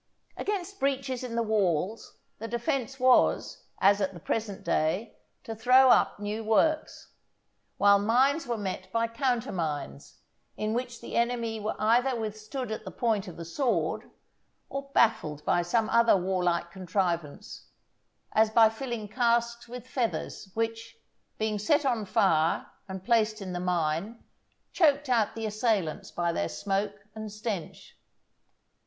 Against breaches in the walls the defence was, as at the present day, to throw up new works; while mines were met by counter mines, in which the enemy were either withstood at the point of the sword, or baffled by some other warlike contrivance; as by filling casks with feathers, which, being set on fire and placed in the mine, choked out the assailants by their smoke and stench.